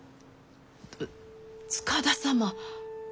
つ塚田様。